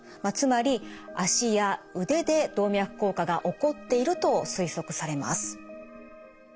まあつまり脚や腕で動脈硬化が起こっていると推測されます。